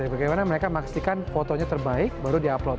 bagaimana mereka memastikan fotonya terbaik baru di upload